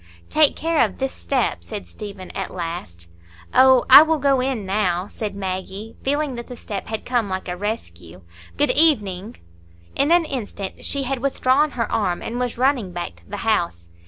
"Take care of this step," said Stephen at last. "Oh, I will go in now," said Maggie, feeling that the step had come like a rescue. "Good evening." In an instant she had withdrawn her arm, and was running back to the house.